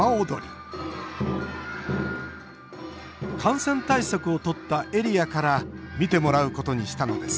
感染対策をとったエリアから見てもらうことにしたのです。